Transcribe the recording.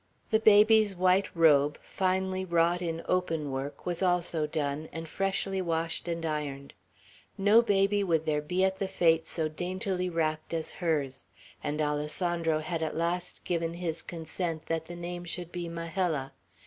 The baby's white robe, finely wrought in open work, was also done, and freshly washed and ironed. No baby would there be at the fete so daintily wrapped as hers; and Alessandro had at last given his consent that the name should be Majella.